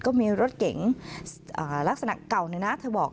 ก็มีรถเก๋งลักษณะเก่าเนี่ยนะเธอบอก